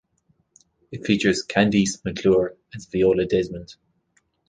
It features Kandyse McClure as Viola Desmond.